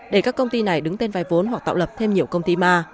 để các công ty này đứng tên vay vốn hoặc tạo lập thêm nhiều công ty ma